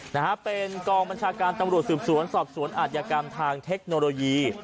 นะฮะเป็นกองบัญชาการตำรวจสืบสวนสอบสวนอาจยากรรมทางเทคโนโลยี